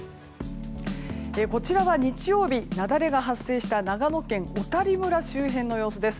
こちらは日曜日、雪崩が発生した長野県小谷村周辺の様子です。